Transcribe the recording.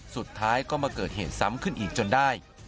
สุดท้ายก็มาเกิดเหตุซ้ำขึ้นอีกจนได้